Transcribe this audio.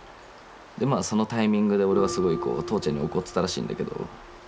でまあそのタイミングで俺はすごいこう父ちゃんに怒ってたらしいんだけど。